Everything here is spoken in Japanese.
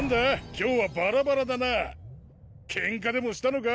今日はバラバラだなけんかでもしたのか？